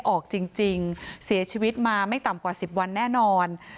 ส่วนของหัวมือขาที่หายไปอาจจะถูกสัตว์น้ำกัดแทะออกไปก็เป็นไปได้